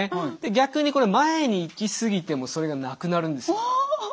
逆にこれ前に行き過ぎてもそれがなくなるんですよ。